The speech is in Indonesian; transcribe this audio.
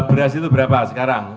beras berapa sekarang